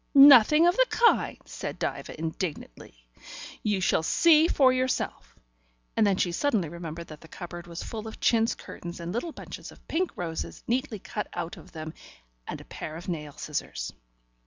"Nothing of the kind," said Diva indignantly. "You shall see for yourself" and then she suddenly remembered that the cupboard was full of chintz curtains and little bunches of pink roses, neatly cut out of them, and a pair of nail scissors.